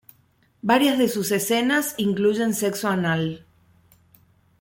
Varias de sus escenas incluyen sexo anal.